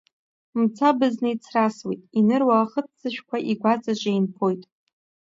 Мцабызны ицрасуеит, иныруа ахыццышәқәа игәаҵаҿ еинԥоит.